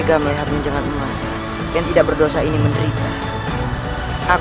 sampai jumpa di video selanjutnya